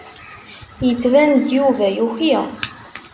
Yettban-d Yuba yuki.